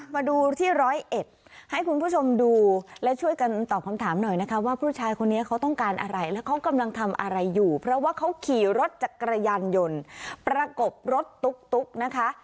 มาดูที่ร้อยเอ็ดให้คุณผู้ชมดูและช่วยกันตอบคำถามหน่อยนะคะว่าผู้ชายคนนี้เขาต้องการอะไรแล้วเขากำลังทำอะไรอยู่เพราะว่าเขาขี่รถจักรยานยนต์ประกบรถตุ๊กนะคะ